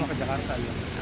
saya mau ke jakarta